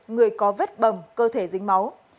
người có vết bầm cơ thể dính máu